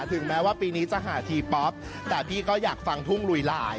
ถึงแม้ว่าปีนี้จะหาทีป๊อปแต่พี่ก็อยากฟังทุ่งลุยหลาย